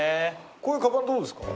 こういうかばんどうですか？